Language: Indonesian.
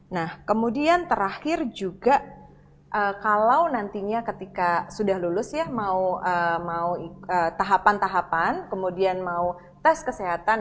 nah kemudian terakhir juga kalau nantinya ketika sudah lulus ya mau tahapan tahapan kemudian mau tes kesehatan